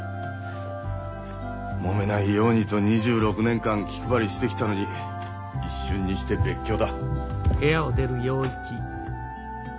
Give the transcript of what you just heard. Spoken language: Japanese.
もめないようにと２６年間気配りしてきたのに一瞬にして別居だ。